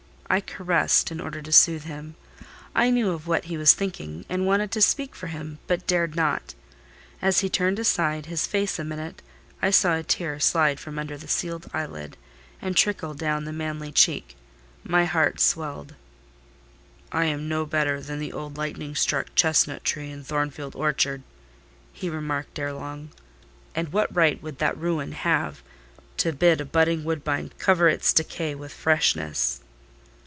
I caressed, in order to soothe him. I knew of what he was thinking, and wanted to speak for him, but dared not. As he turned aside his face a minute, I saw a tear slide from under the sealed eyelid, and trickle down the manly cheek. My heart swelled. "I am no better than the old lightning struck chestnut tree in Thornfield orchard," he remarked ere long. "And what right would that ruin have to bid a budding woodbine cover its decay with freshness?"